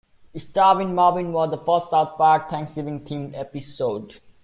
"Starvin' Marvin" was the first "South Park" Thanksgiving-themed episode.